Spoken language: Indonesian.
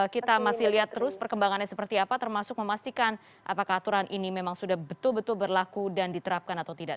kita masih lihat terus perkembangannya seperti apa termasuk memastikan apakah aturan ini memang sudah betul betul berlaku dan diterapkan atau tidak